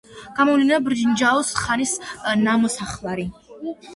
გამოვლინდა ბრინჯაოს ხანის ნამოსახლარი.